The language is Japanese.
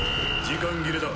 時間切れだ。